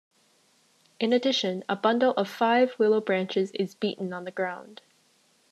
In addition, a bundle of five willow branches is beaten on the ground.